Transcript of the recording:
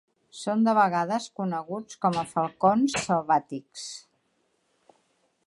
Són de vegades coneguts com a falcons selvàtics.